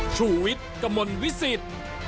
ชูวิตกมลวิสิต